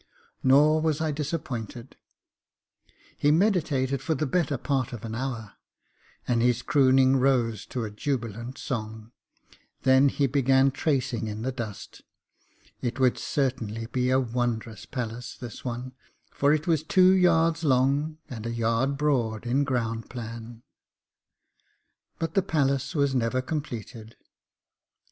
Nor was I disappointed He meditated for the better part of an hour, and his crooning rose to a jubilant song. Then he began tracing in the dust. It would certainly be a wondrous palace, this one, for it was two yards long and a yard broad in ground plan. But the palace was never completed.